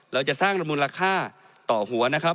เราจะสร้างมูลค่าต่อหัวนะครับ